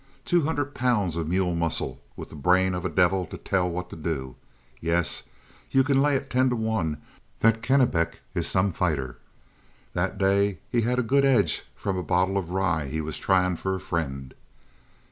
Two hundred pounds of mule muscle with the brain of a devil to tell what to do yes, you can lay it ten to one that Kennebec is some fighter. That day he had a good edge from a bottle of rye he was trying for a friend.